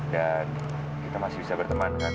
dan kita masih bisa berteman kan